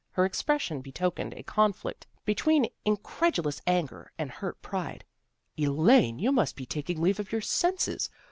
Her expression betokened a conflict between incredulous anger and hurt pride. " Elaine, you must be taking leave of your ELAINE UPSETS TRADITION 277 senses.